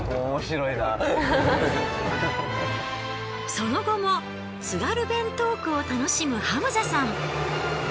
その後も津軽弁トークを楽しむハムザさん。